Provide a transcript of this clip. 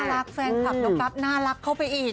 รักแฟนคลับน้องกั๊บน่ารักเข้าไปอีก